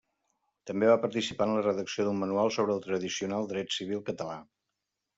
També va participar en la redacció d'un manual sobre el tradicional dret civil català.